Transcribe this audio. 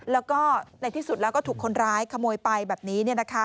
แล้วก็ในที่สุดแล้วก็ถูกคนร้ายขโมยไปแบบนี้